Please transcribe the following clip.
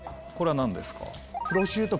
これは何ですか？